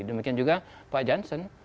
demikian juga pak jansen